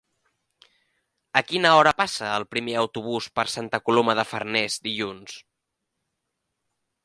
A quina hora passa el primer autobús per Santa Coloma de Farners dilluns?